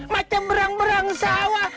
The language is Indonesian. macam berang berang sawah